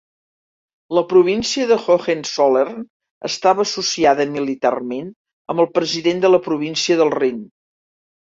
La Província de Hohenzollern estava associada militarment amb el president de la província del Rin.